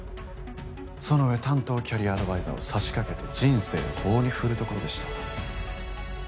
そのうえ担当キャリアアドバイザーを刺しかけて人生を棒に振るところでした。